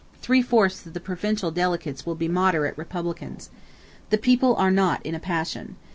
Three fourths of the provincial delegates will be moderate republicans. The people are not in a passion.